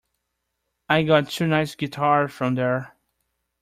I got two nice guitars from there.